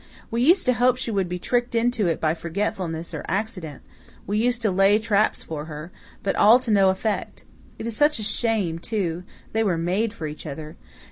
We used to hope she would be tricked into it by forgetfulness or accident we used to lay traps for her but all to no effect. It is such a shame, too. They were made for each other.